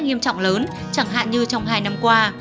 nghiêm trọng lớn chẳng hạn như trong hai năm qua